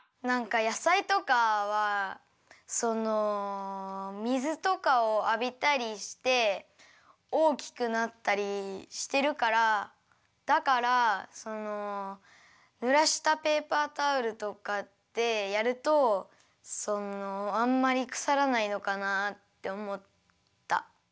なんかやさいとかはその水とかをあびたりしておおきくなったりしてるからだからそのぬらしたペーパータオルとかでやるとそのあんまりくさらないのかなっておもった。